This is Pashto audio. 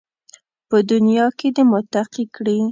په دنیا کې دې متقي کړي